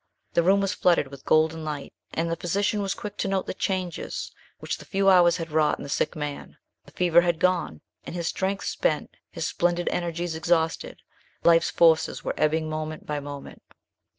The room was flooded with golden light, and the physician was quick to note the changes which the few hours had wrought in the sick man. The fever had gone and, his strength spent, his splendid energies exhausted, life's forces were ebbing moment by moment.